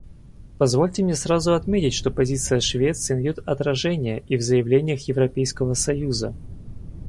Позвольте мне сразу отметить, что позиция Швеции найдет отражение и в заявлениях Европейского союза.